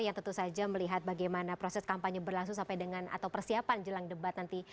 yang tentu saja melihat bagaimana proses kampanye berlangsung sampai dengan atau persiapan jelang debat nanti